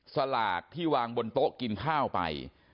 สลากที่วางบนโต๊ะกินข้าวไป